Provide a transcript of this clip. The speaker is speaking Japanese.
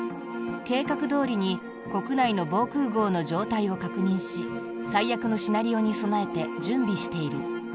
計画どおりに国内の防空壕の状態を確認し最悪のシナリオに備えて準備している。